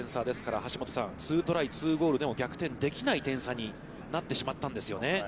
ですから、橋下さん、２トライ、２ゴールでも逆転できない点差になってしまったんですよね。